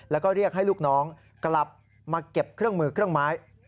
แล้วก็เรียกให้ลูกน้องกลับมาเก็บเครื่องมือเครื่องไม้